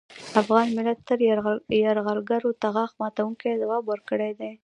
افغان ملت تل یرغلګرو ته غاښ ماتوونکی ځواب ورکړی دی